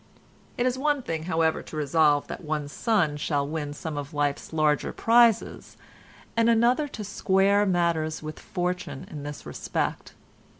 It is one thing however to resolve that one's son shall win some of life's larger prizes, and another to square matters with fortune in this respect.